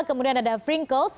kemudian ada frinkles